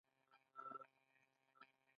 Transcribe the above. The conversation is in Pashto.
غرمه مې په هرات دروازه کې ورسره وعده وکړه.